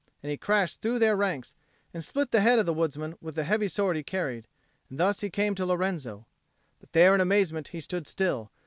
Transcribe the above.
And he crashed through their ranks, and split the head of the woodsman with the heavy sword he carried; and thus he came to Lorenzo. But there in amazement he stood still.